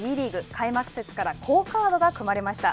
開幕節から好カードが組まれました。